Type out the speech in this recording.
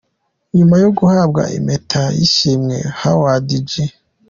Nyuma yo guhabwa impeta y’ishimwe, Howard G.